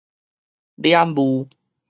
蓮霧